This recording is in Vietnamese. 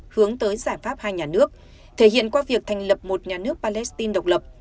hướng tới giải pháp hai nhà nước thể hiện qua việc thành lập một nhà nước palestine độc lập